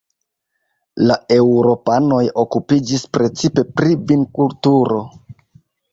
La eŭropanoj okupiĝis precipe pri vinkulturo.